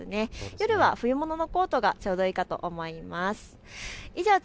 夜は冬物のコートがちょうどいいかと思います。